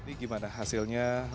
ini gimana hasilnya